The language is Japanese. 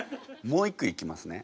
もう一句いきますね。